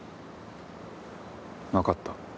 わかった。